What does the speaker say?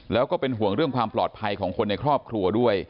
แล้วก็เป็นห่วงเรื่องความปลอดภัยของคนในครอบครัวด้วย